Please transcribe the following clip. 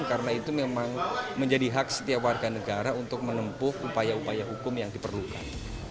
karena itu memang menjadi hak setiap warga negara untuk menempuh upaya upaya hukum yang diperlukan